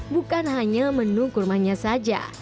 bukan hanya menu kurmanya saja